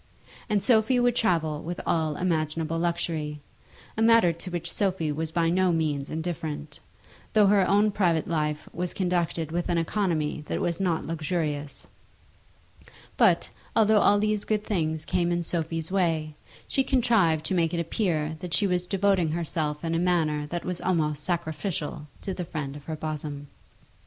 And Sophie would travel with all imaginable luxury, a matter to which Sophie was by no means indifferent, though her own private life was conducted with an economy that was not luxurious. But, although all these good things came in Sophie's way, she contrived to make it appear that she was devoting herself in a manner that was almost sacrificial to the friend of her bosom.